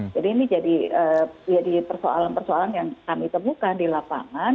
jadi ini jadi persoalan persoalan yang kami temukan di lapangan